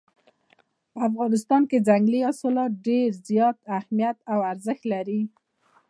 په افغانستان کې ځنګلي حاصلات ډېر زیات اهمیت او ارزښت لري.